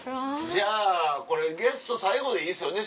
じゃあこれゲスト最後でいいですよね